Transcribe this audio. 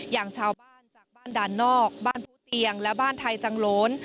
อย่างชาวบ้านจากบ้านด่านนอกบ้านผู้เตียงและบ้านไทยจังโลน